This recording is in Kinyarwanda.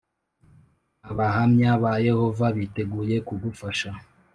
Abahamya ba Yehova biteguye kugufasha